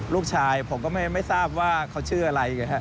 ลูกชายผมก็ไม่ทราบว่าเขาชื่ออะไร